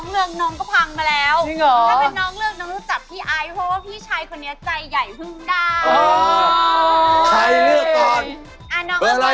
เลือกตามเขา